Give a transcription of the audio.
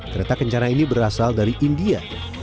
kereta kencana ini berasal dari india